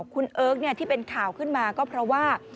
คุณเอิร์กที่เป็นข่าวขึ้นมาก็เพราะว่า